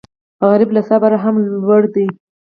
غریب له صبره هم لوړ دی